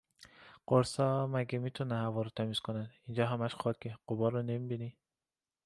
قُرصا مگه میتونن هوا رو تمیز کنن؟ اینجا هَمَش خاکه، غبار رو نمیبینی؟